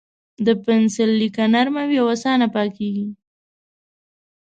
د پنسل لیکه نرم وي او اسانه پاکېږي.